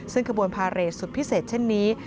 ซึ่งขบวนพาเรทสุดพิเศษเช่นนี้